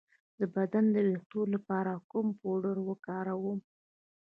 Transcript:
د بدن د ویښتو لپاره کوم پوډر وکاروم؟